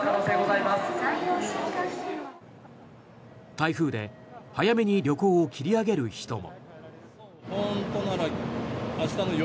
台風で早めに旅行を切り上げる人も。